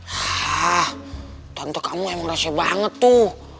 hah tante kamu emang rasa banget tuh